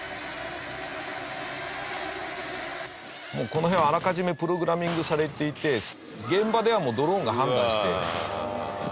この辺はあらかじめプログラミングされていて現場ではもうドローンが判断して。